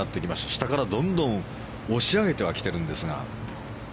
下からどんどん押し上げてはきてるんですが。